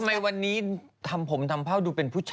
มันตัวดีไงแต่มันดูเป็นแม่นไง